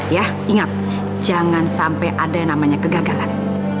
ya ingat jangan sampai ada yang namanya kegagalan